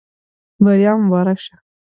بریا مو مبارک شه.